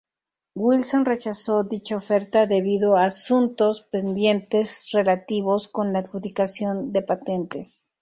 Wilson rechazó dicha oferta debido a asuntos pendientes relativos con la adjudicación de patentes.